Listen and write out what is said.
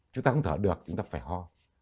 chúng ta không thở được chúng ta phải ho